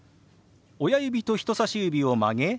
親指と人さし指を曲げ